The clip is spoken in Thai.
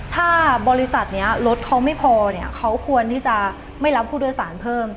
ถ้าบริษัทนี้รถเขาไม่พอเนี่ยเขาควรที่จะไม่รับผู้โดยสารเพิ่ม